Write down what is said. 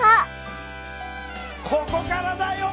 ここからだよ